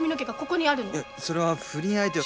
それは不倫相手を。